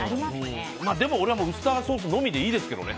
でも、俺はウスターソースのみでいいですけどね。